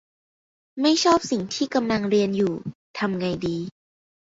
ไม่ชอบสิ่งที่กำลังเรียนอยู่ ทำไงดี